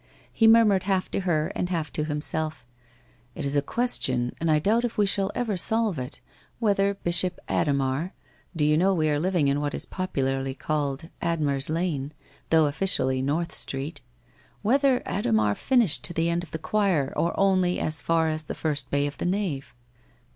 He murmured half to her and half to himself: c It is a question and I doubt if we shall ever solve it, whether Bishop Adhemar — do you know we are living in what is popularly called Admer's lane, though officially North Street — whether Adhemar finished to the end of the choir or only as far as the first bay of the nave